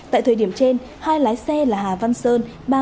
tại thời điểm trên hai lái xe là hà văn sơn